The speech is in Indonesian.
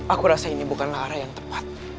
aku rasa ini bukanlah arah yang tepat